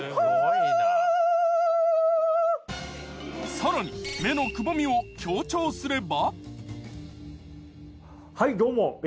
更に目のくぼみを強調すれば。